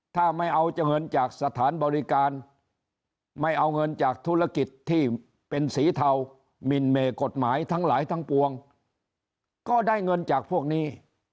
ถ้าไม่เอาเงินจากสถานบริการไม่เอาเงินจากธุรกิจที่เป็นสีเทามินเมกฎหมายทั้งหลายทั้งปวงก็ได้เงินจากพวกนี้